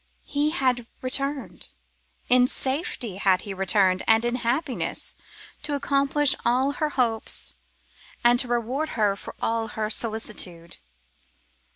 He had returned; in safety had he returned, and in happiness, to accomplish all her hopes and to reward her for all her solicitude.